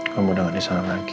kamu udah gak disana lagi